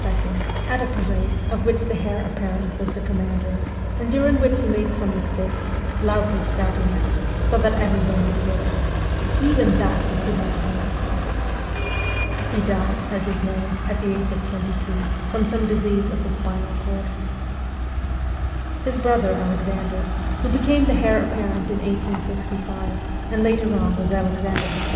at a parade of which the heir apparent was the com mander, and during which he made some mistake, loudly shouting out, so that everyone would hear it, ' Even that you could not learn !' He died, as is known, at the age of twenty two, from some disease of the spinal cord. His brother, Alexander, who became the heir apparent in 1865, and later on was Alexander III.